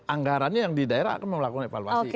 anggarannya yang di daerah akan melakukan evaluasi